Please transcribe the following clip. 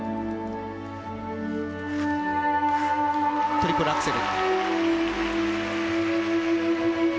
トリプルアクセル。